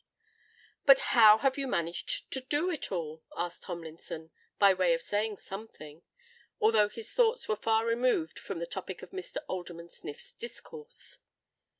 "But how have you managed to do it all?" asked Tomlinson, by way of saying something—although his thoughts were far removed from the topic of Mr. Alderman Sniff's discourse.